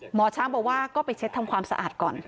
หมอช้างบอกว่าก็ไปเช็ดทำความสะอาดก่อน